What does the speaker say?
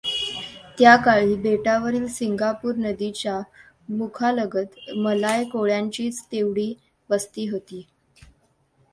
त्याकाळी बेटावरील सिंगापूर नदीच्या मुखालगत मलाय कोळ्यांचीच तेवढी वस्ती होती.